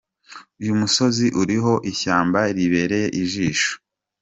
Uyu musozi uriho ishyamba ribereye ijisho.